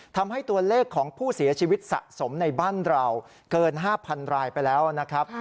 ทำให้ตัวเลขของผู้เสียชีวิตสะสมในบ้านเราเกิน๕๐๐๐รายไปแล้วนะครับ